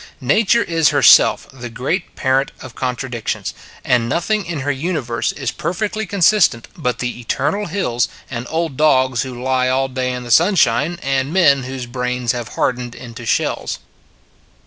Nature is herself the great parent of con tradictions; and nothing in her universe is. perfectly consistent but the eternal hills, and old dogs who lie all day in the sun shine, and men whose brains have hardened into shells.